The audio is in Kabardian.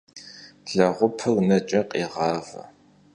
Leğupır neç'e khêğave.